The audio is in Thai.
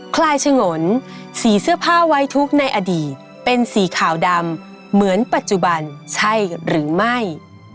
คลายฉงนสีเสื้อผ้าไว้ทุกข์ในอดีตเป็นสีขาวดำเหมือนปัจจุบันใช่หรือไม่